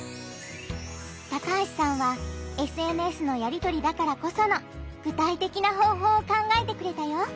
高橋さんはＳＮＳのやりとりだからこその具体的な方法を考えてくれたよ！